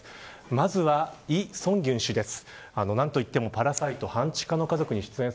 まずはイ・ソンギュン氏です。